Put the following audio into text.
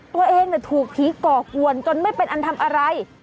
ตัวเองถูกผีก่อกวนจนไม่เป็นอันทำอะไร